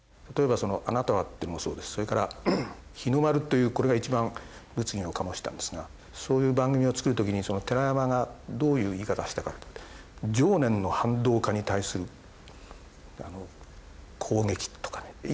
例えば「あなたは．．．．．」ってのもそうでそれから「日の丸」というこれが一番物議を醸したんですがそういう番組を作る時に寺山がどういう言い方をしたか情念の反動化に対する攻撃とかね